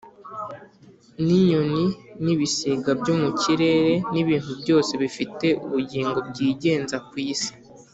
n’inyoni n’ibisiga byo mu kirere, n’ibintu byose bifite ubugingo byigenza ku isi.”